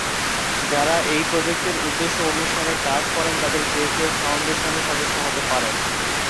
যারা এই প্রজেক্টের উদ্দেশ্য অনুসারে কাজ করেন তাদের যে কেউ ফাউন্ডেশনের সদস্য হতে পারেন।